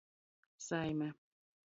Saime.